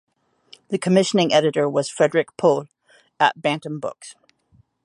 The commissioning editor was Frederik Pohl, at Bantam Books.